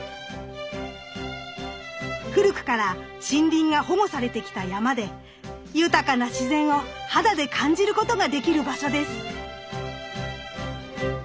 古くから森林が保護されてきた山で豊かな自然を肌で感じることができる場所です。